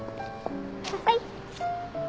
はい？